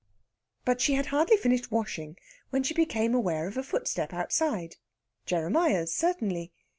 But she had hardly finished washing when she became aware of a footstep outside Jeremiah's certainly.